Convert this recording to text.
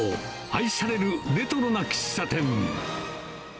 愛されるレトロな喫茶店。